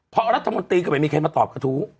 เพราะรัฐมนตรีก็ไม่มีใครมาตอบกระทู้